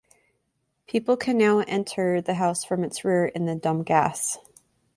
People can now enter the house from its rear in the Domgasse.